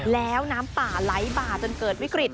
แล้วน้ำป่าไหลบ่าจนเกิดวิกฤต